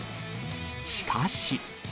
しかし。